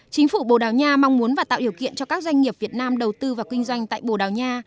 chính phủ bồ đào nha mong muốn và tạo điều kiện cho các doanh nghiệp việt nam đầu tư và kinh doanh tại bồ đào nha